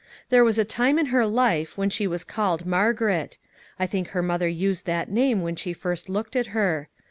There was a time in her life, when she was called Margaret. I think her mother used that name when she first looked at her.